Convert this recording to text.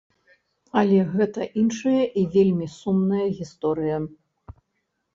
Але гэта іншая і вельмі сумная гісторыя.